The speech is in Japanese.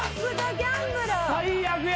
最悪や！